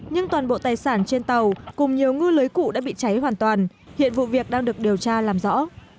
nhưng toàn bộ tài sản trên tàu cùng nhiều ngư lưới cụ đã bị cháy hoàn toàn hiện vụ việc đang được điều tra làm rõ